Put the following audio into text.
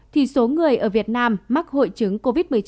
thì số người ở việt nam mắc hội chứng covid một mươi chín